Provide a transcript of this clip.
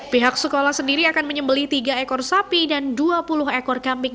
pihak sekolah sendiri akan menyembeli tiga ekor sapi dan dua puluh ekor kambing